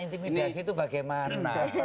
era intimidasi itu bagaimana